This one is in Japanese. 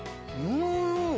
うん！